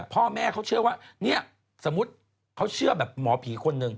พ่อแม่เขาเชื่อว่าเนี่ยสมมุติเขาเชื่อแบบหมอผีคนหนึ่ง